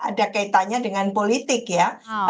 ada kaitannya dengan politik ya